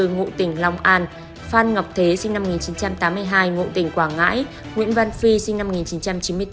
ngụ tỉnh long an phan ngọc thế sinh năm một nghìn chín trăm tám mươi hai ngụ tỉnh quảng ngãi nguyễn văn phi sinh năm một nghìn chín trăm chín mươi bốn